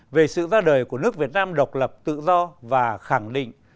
về sự ra đời của nước việt nam độc lập tự do và khẳng định